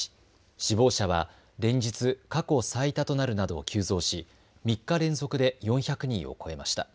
死亡者は連日、過去最多となるなど急増し３日連続で４００人を超えました。